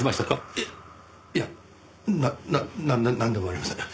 いいやななんでもありません。